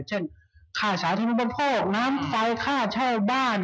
เช่นค่าช้าที่มุมพกน้ำไฟค่าเช่าบ้าน